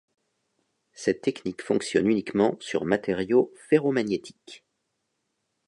Cette technique fonctionne uniquement sur matériau ferromagnétique.